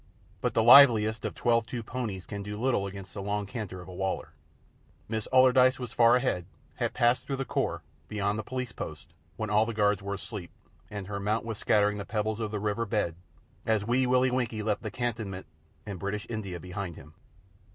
But the liveliest of twelve two ponies can do little against the long canter of a Waler. Miss Allardyce was far ahead, had passed through the crops, beyond the Police post, when all the guards were asleep, and her mount was scattering the pebbles of the river bed as Wee Willie Winkie left the cantonment and British India behind him.